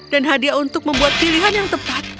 dan hadiah untuk membuat pilihan yang tepat